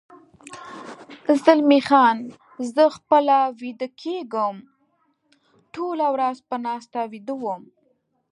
زلمی خان: زه خپله ویده کېږم، ټوله ورځ په ناسته ویده وم.